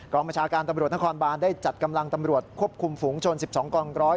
ประชาการตำรวจนครบานได้จัดกำลังตำรวจควบคุมฝูงชน๑๒กองร้อย